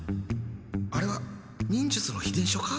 あれは忍術の秘伝書か？